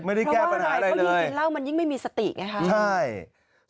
เพราะว่าอะไรเพราะกินเหล้ามันยิ่งไม่มีสติไงครับ